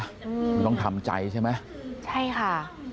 มันต้องทำใจใช่ไหมใช่ค่ะ